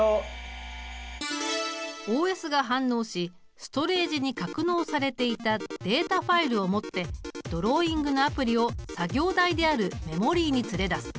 ＯＳが反応しストレージに格納されていたデータファイルを持ってドローイングのアプリを作業台であるメモリに連れ出す。